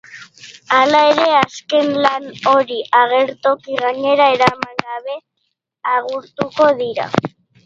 Halere, azken lan hori agertoki gainera eraman gabe agurtuko dira.